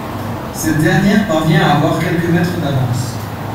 Cette dernière parvient à avoir quelques mètres d'avance.